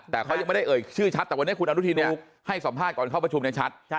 แต่เขายังไม่ได้เอ่ยชื่อชัดแต่วันนี้คุณอนุทินให้สัมภาษณ์ก่อนเข้าประชุมในชัด